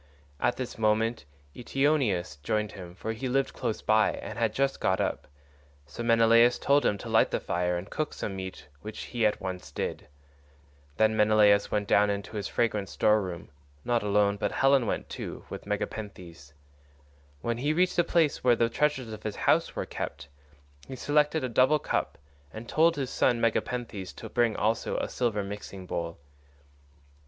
At this moment Eteoneus joined him, for he lived close by and had just got up; so Menelaus told him to light the fire and cook some meat, which he at once did. Then Menelaus went down into his fragrant store room,130 not alone, but Helen went too, with Megapenthes. When he reached the place where the treasures of his house were kept, he selected a double cup, and told his son Megapenthes to bring also a silver mixing bowl.